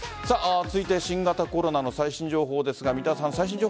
続いて新型コロナの最新情報ですが三田さん